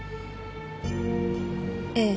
ええ。